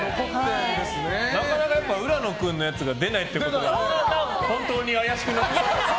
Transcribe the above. なかなか浦野君のやつが出ないってことは本当に怪しくなってきた。